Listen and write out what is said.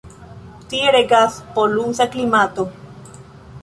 Tie regas polusa klimato.